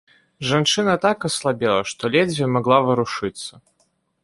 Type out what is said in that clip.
Жанчына так аслабела, што ледзьве магла варушыцца.